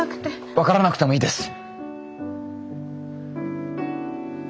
分からなくてもいいです。